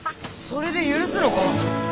それで許すのか？